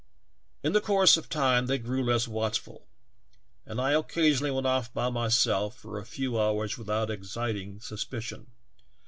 "In course of time they grew less watchful and I occasionally went off by myself lor a few hours without exciting suspicion.